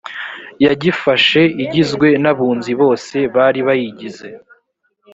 yagifashe igizwe n abunzi bose bari bayigize